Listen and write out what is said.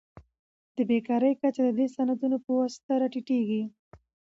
د بیکارۍ کچه د دې صنعتونو په واسطه راټیټیږي.